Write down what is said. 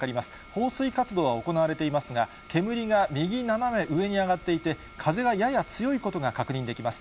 放水活動は行われていますが、煙が右斜め上に上がっていて、風がやや強いことが確認できます。